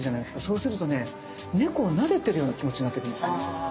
そうするとね猫をなでてるような気持ちになってくるんですよ。